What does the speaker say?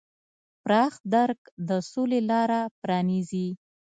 پراخ درک د سولې لاره پرانیزي.